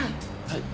はい。